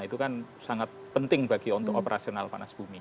itu kan sangat penting bagi untuk operasional panas bumi